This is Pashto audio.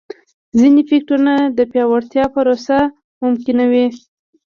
ځیني فکټورونه د پیاوړتیا پروسه ممکنوي.